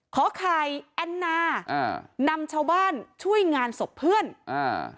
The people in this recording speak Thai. ขอไข่แอนนาอ่านำชาวบ้านช่วยงานศพเพื่อนอ่า